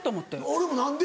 俺も何で？